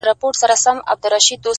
خود دي خالـونه پــه واوښتــل،